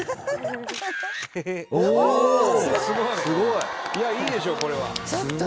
いやいいでしょこれは。